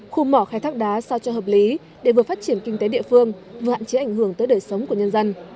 khu mỏ khai thác đá sao cho hợp lý để vừa phát triển kinh tế địa phương vừa hạn chế ảnh hưởng tới đời sống của nhân dân